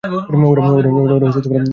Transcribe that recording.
ওরা মনির লোক।